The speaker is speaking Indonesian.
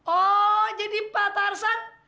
oh jadi pak tarzan